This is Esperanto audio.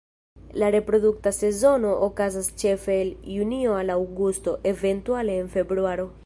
La reprodukta sezono okazas ĉefe el junio al aŭgusto, eventuale en februaro.